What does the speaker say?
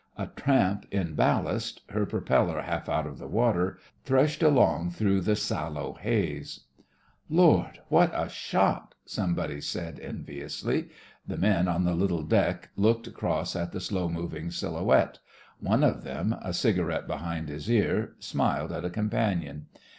A tramp in ballast, her pro peller half out of water, threshed along through the sallow haze. THE FRINGES OF THE FLEET 63 "Lord! What a shot!" somebody said enviously. The men on the little deck looked across at the slow moving silhouette. One of them, a cigarette behind his ear, smiled at a companion.